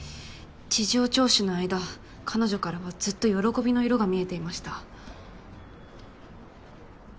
事情聴取の間彼女からはずっと「喜び」の色が見えていました。